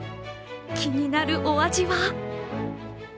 気になるお味は？